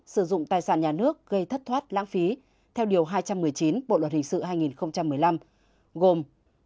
sử dụng tài sản nhà nước gây thất thoát lãng phí theo điều hai trăm một mươi chín bộ luật hình sự hai nghìn một mươi năm gồm